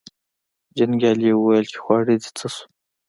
جنګیالي وویل چې خواړه دې څه شو.